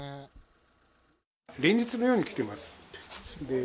連日のように来てます。